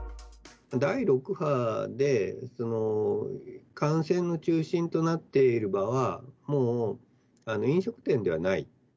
第６波で感染の中心となっている場は、もう飲食店ではない。